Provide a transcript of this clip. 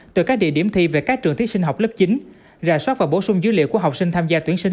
từ các địa điểm thi về các trường thiết sinh học lớp chín rà soát và bổ sung dữ liệu của học sinh tham gia tuyển sinh